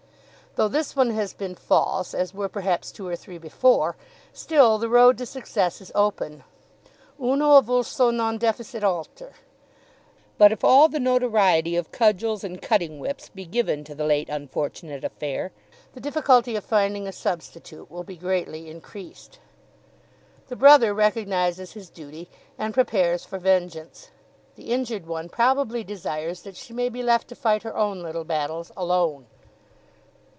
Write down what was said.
Though this one has been false, as were perhaps two or three before, still the road to success is open. Uno avulso non deficit alter. But if all the notoriety of cudgels and cutting whips be given to the late unfortunate affair, the difficulty of finding a substitute will be greatly increased. The brother recognises his duty, and prepares for vengeance. The injured one probably desires that she may be left to fight her own little battles alone.